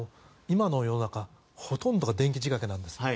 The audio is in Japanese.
今の世の中ほとんどが電気時掛けです。